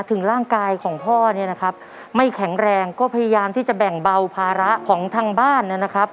ถึงร่างกายของพ่อเนี่ยนะครับไม่แข็งแรงก็พยายามที่จะแบ่งเบาภาระของทางบ้านนะครับ